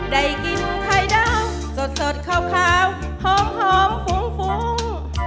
ได้กินไทยเดาสดขาวหอมฟุ้งฟุ้ง